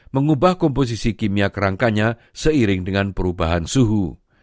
mengubah komposisi kimia kerangkanya seiring dengan perubahan suhu